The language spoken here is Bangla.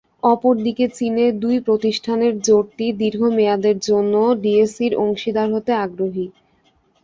অপরদিকে চীনের দুই প্রতিষ্ঠানের জোটটি দীর্ঘ মেয়াদের জন্য ডিএসইর অংশীদার হতে আগ্রহী।